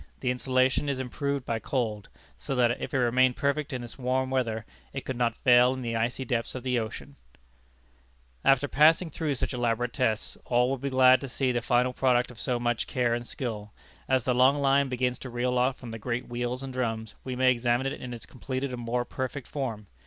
The insulation is improved by cold; so that, if it remained perfect in this warm water, it could not fail in the icy depths of the ocean. [Illustration: OLD ATLANTIC CABLE, 1858.] [Illustration: NEW ATLANTIC CABLE, 1865.] After passing through such elaborate tests, all will be glad to see the final product of so much care and skill. As the long line begins to reel off from the great wheels and drums, we may examine it in its completed and more perfect form.